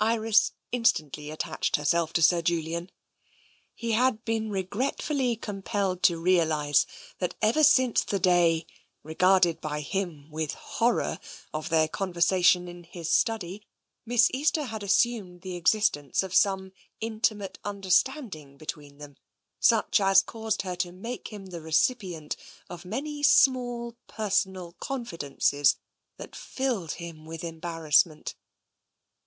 Iris instantly attached herself to Sir Julian. He had been regretfully compelled to realise that ever since TENSION 207 the day, regarded by him with horror, of their conver sation in his study, Miss Easter had assumed the ex istence of some intimate understanding between them, such as caused her to make him the recipient or many small personal confidences that filled him with em barrassment.